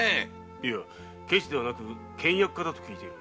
いやケチではなく倹約家だと聞いている。